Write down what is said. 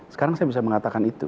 sekarang saya bisa mengatakan itu